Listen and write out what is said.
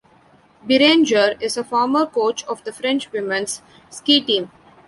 Beranger is a former coach of the French women's ski team.